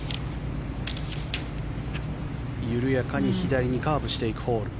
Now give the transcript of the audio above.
緩やかに左にカーブしていくホール。